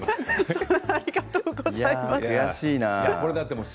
悔しいな。